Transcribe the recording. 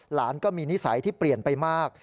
หลานก็มีนิสัยที่เปลี่ยนไปมาก